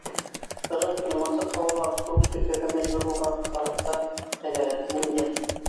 Быға тиклем асыҡ һауала автобус көтөргә мәжбүр булған халыҡ та ҡәнәғәт, мин дә...